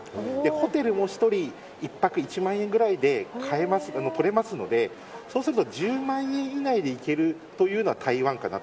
ホテルも１人１泊１万円ぐらいで買えて取れますのでそうすると１０万円以内で行けるというのが台湾かなと。